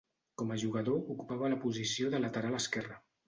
Com a jugador, ocupava la posició de lateral esquerre.